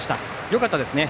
よかったですね。